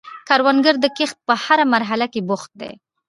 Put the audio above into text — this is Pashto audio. کروندګر د کښت په هره مرحله کې بوخت دی